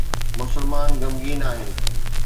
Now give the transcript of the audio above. مسلمان غمگين آهن